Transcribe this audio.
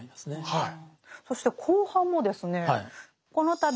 はい。